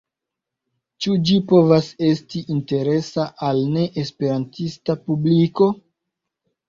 Ĉu ĝi povas esti interesa al neesperantista publiko?